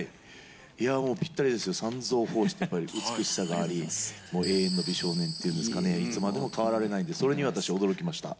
いやもう、ぴったりですよ、三蔵法師ってやっぱり美しさがあり、もう永遠の美少年というんですかね、いつまでも変わられないんで、それに私は驚きました。